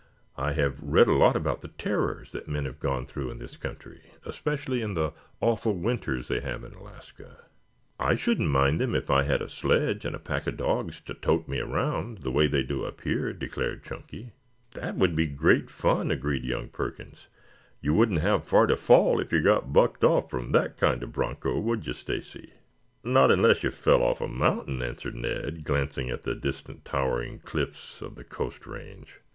I have read a lot about the terrors that men have gone through in this country, especially in the awful winters they have in Alaska." "I shouldn't mind them if I had a sledge and a pack of dogs to tote me around, the way they do up here," declared Chunky. "That would be great fun," agreed young Perkins. "You wouldn't have far to fall if you got bucked off from that kind of broncho, would you, Stacy?" "Not unless you fell off a mountain," answered Ned, glancing at the distant towering cliffs of the coast range.